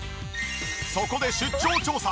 そこで出張調査。